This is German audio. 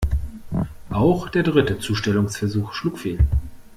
Auch der dritte Zustellungsversuch schlug fehl.